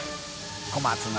小松菜」